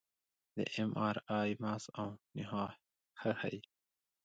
د اېم ار آی مغز او نخاع ښه ښيي.